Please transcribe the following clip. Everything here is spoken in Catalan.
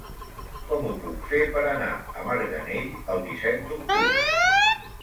Com ho puc fer per anar a Marganell el disset d'octubre?